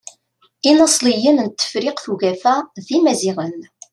Inaṣliyen n tefṛiqt ugafa d Imaziɣen.